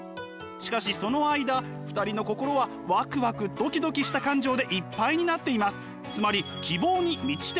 しかしその間２人の心はワクワクドキドキした感情でいっぱいになっています。